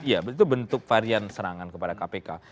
ya itu bentuk varian serangan kepada kpk